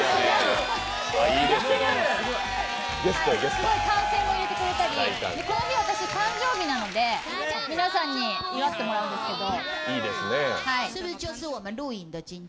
すごい歓声も入れたくれたりこの日、私、誕生日なので皆さんに祝ってもらうんですけど。